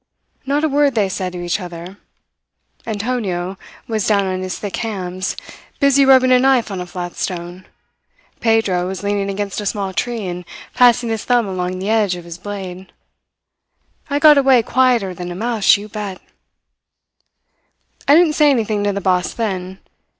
Not a word they said to each other. Antonio was down on his thick hams, busy rubbing a knife on a flat stone; Pedro was leaning against a small tree and passing his thumb along the edge of his blade. I got away quieter than a mouse, you bet." "I didn't say anything to the boss then.